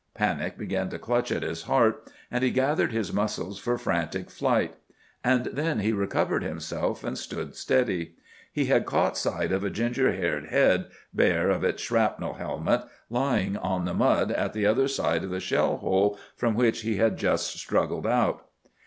Panic began to clutch at his heart, and he gathered his muscles for frantic flight. And then he recovered himself and stood steady. He had caught sight of a ginger haired head, bare of its shrapnel helmet, lying on the mud at the other side of the shell hole from which he had just struggled out.